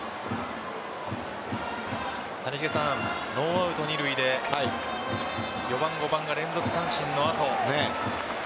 谷繁さん、ノーアウト二塁で４番、５番が連続三振の後。